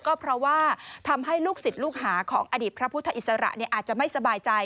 ก็เพราะว่าทำให้ลูกศิษย์ลูกหาของอดีตพระพุทธอิสระอาจจะไม่สบายใจ